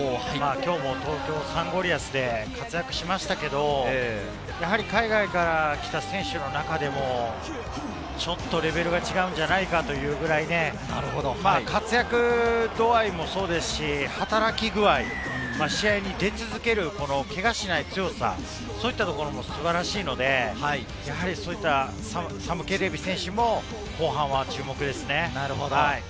今日も東京サンゴリアスで活躍しましたけれど、海外から来た選手の中でも、ちょっとレベルが違うんじゃないかというぐらい活躍度合いもそうですし、働き具合、試合に出続ける、ケガをしない強さ、そういったところも素晴らしいので、サム・ケレビ選手も後半は注目ですね。